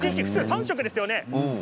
一日３食ですよね。